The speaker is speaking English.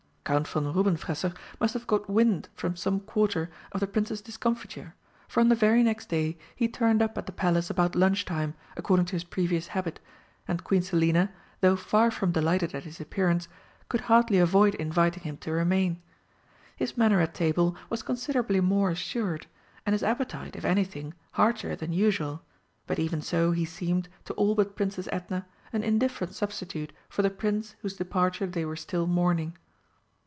Count von Rubenfresser must have got wind from some quarter of the Prince's discomfiture, for on the very next day he turned up at the Palace about lunch time, according to his previous habit, and Queen Selina, though far from delighted at his appearance, could hardly avoid inviting him to remain. His manner at table was considerably more assured, and his appetite, if anything, heartier than usual, but even so he seemed, to all but Princess Edna, an indifferent substitute for the Prince whose departure they were still mourning.